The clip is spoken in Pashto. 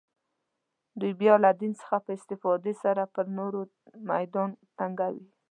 دوی بیا له دین څخه په استفاده سره پر نورو میدان تنګوي